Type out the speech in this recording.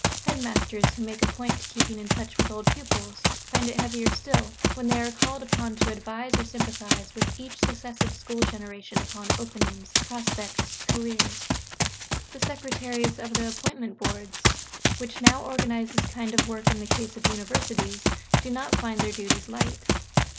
Headmasters, who make a point of keeping in touch with old pupils, find it heavier still, when they are called upon to advise or sympathise with each successive school generation upon openings, prospects, careers. The secretaries of the Appointments Boards, which now organize this kind of work in the case of Universities, do not find their duties light.